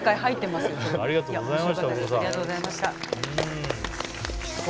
ありがとうございました大久保さん。